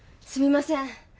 すみません。